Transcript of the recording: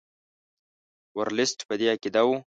ورلسټ په دې عقیده وو.